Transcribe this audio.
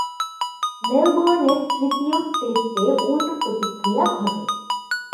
মেলবোর্নের তৃতীয় টেস্টে উল্টো প্রতিক্রিয়া ঘটে।